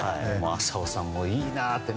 浅尾さんも、いいなと。